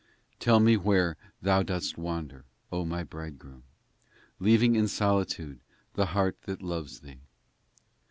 Tell me where Thou dost wander, O my Bridegroom, Leaving in solitude the heart that loves Thee